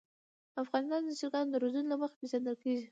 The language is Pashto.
افغانستان د چرګانو د روزنې له مخې پېژندل کېږي.